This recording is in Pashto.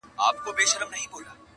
د غزلونو ربابونو مېنه!